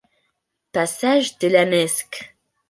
Passage de la Nesque.